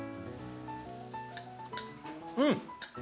うん。